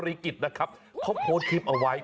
กิจนะครับเขาโพสต์คลิปเอาไว้